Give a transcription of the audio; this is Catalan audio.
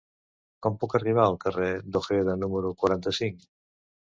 Com puc arribar al carrer d'Ojeda número quaranta-cinc?